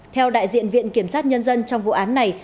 theo đại diện viện kiểm sát nhân dân trong vụ án này